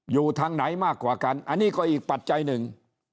อยู่ทางไหนมากกว่ากันอันนี้ก็อีกปัจจัยหนึ่ง